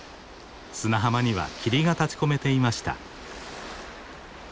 砂浜には霧が立ちこめていました。